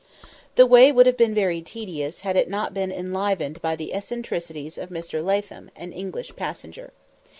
The way would have been very tedious had it not been enlivened by the eccentricities of Mr. Latham, an English passenger.